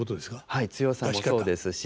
はい強さもそうですし。